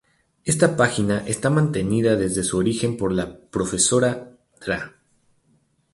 Esta página está mantenida desde su origen por la profesora Dra.